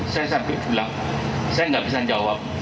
saya sampai bilang saya tidak bisa menjawab